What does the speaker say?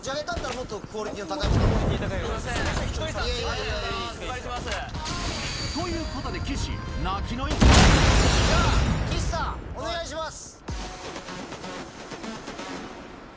もっとクオリティー高いものに。ということでじゃあ岸さんお願いします。